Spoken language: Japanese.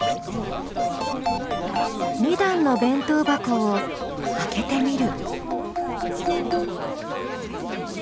２段の弁当箱を開けてみる。